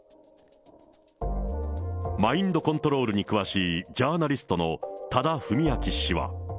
マインドコントロールに詳しいジャーナリストの多田文明氏は。